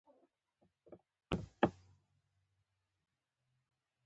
ډګروال په جرمني ژبه په لوړ غږ خبرې پیل کړې